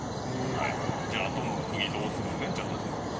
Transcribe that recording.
じゃああとのくぎどうすんねんっちゅう話ですけど。